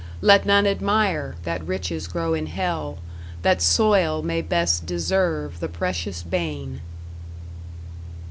Let none admire That riches grow in Hell; that soil may best Deserve the precious bane.